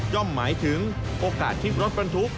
หมายถึงโอกาสที่รถบรรทุก